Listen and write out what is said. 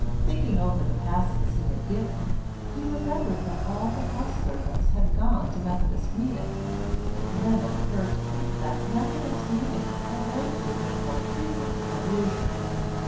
Thinking over the passes he had given, he remembered that all the house servants had gone to Methodist meeting. Then it occurred to him that Methodist meetings had lately been more frequent than usual.